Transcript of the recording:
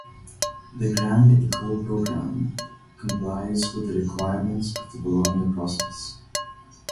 The Grande Ecole programme complies with the requirements of the Bologna Process.